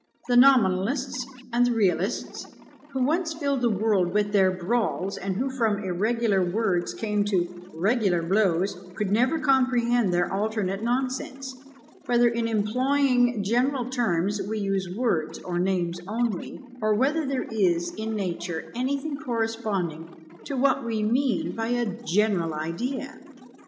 The Nominalists and the Realists, who once filled the world with their brawls, and who from irregular words came to regular blows, could never comprehend their alternate nonsense; "whether in employing general terms we use words or names only, or whether there is in nature anything corresponding to what we mean by a general idea?"